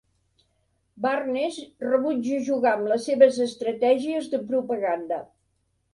Barnes rebutja jugar amb les seves estratègies de propaganda.